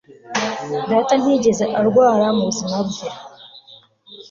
data ntiyigeze arwara mu buzima bwe